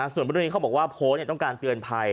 ส่วนเรื่องนี้เขาบอกว่าโพสต์ต้องการเตือนภัย